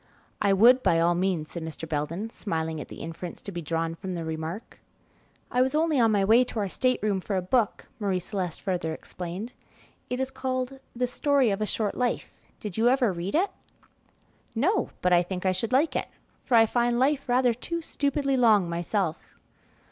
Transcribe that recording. "I would, by all means," said Mr. Belden, smiling at the inference to be drawn from the remark. "I was only on my way to our state room for a book," Marie Celeste further explained. "It is called 'The Story of a Short Life.' Did you ever read it?" "No, but I think I should like it, for I find life rather too stupidly long myself."